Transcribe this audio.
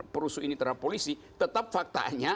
perusuh ini terhadap polisi tetap faktanya